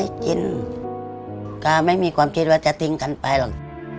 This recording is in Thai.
กินก็ไม่มีความคิดว่าจะทิ้งกันไปหรอก